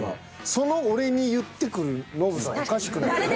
その俺に言ってくるノブさんおかしくないですか？